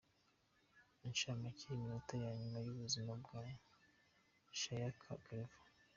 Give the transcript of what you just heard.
Incamake y’iminota ya nyuma y’ubuzima bwa Shayaka Claver.